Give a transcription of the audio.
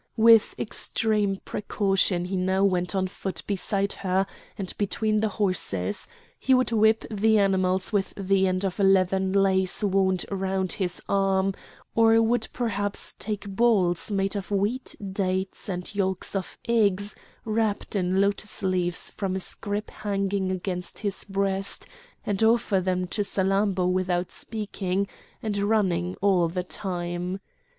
With extreme precaution he now went on foot beside her and between the horses; he would whip the animals with the end of a leathern lace wound round his arm, or would perhaps take balls made of wheat, dates, and yolks of eggs wrapped in lotus leaves from a scrip hanging against his breast, and offer them to Salammbô without speaking, and running all the time.